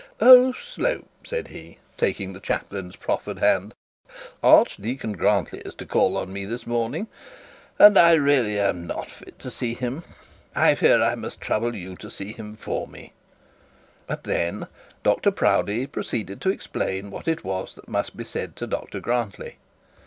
'Oh, Slope,' said he, taking the chaplain's proffered hand. 'Archdeacon Grantly is to call on me this morning, and I really am not fit to see him. I fear I must trouble you to see him for me;' and then Dr Proudie proceeded to explain what it was that must be said to Dr Grantly.